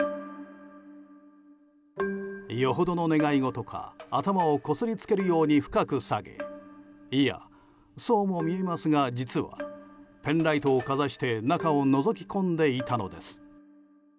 よほどの願い事が頭をこすりつけるように深く下げいやそうも見えますが、実はペンライトをかざして中をのぞき込んでいたのです。